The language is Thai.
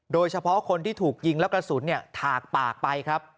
โดยเฉพาะคนที่ถูกยิงและกระสุนถากปากไปครับ